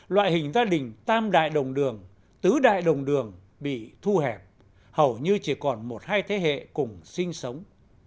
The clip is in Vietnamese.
loại hình gia đình tam đại đồng đường tứ đại đồng đường bị thu hẹp hầu như chỉ còn một hai thế hệ cùng sinh sống